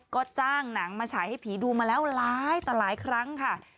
ก็จ้างหนังมาฉายให้ผีดูมาแล้วหลายต่อหลายครั้งค่ะ